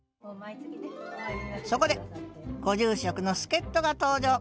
そこでご住職の助っとが登場！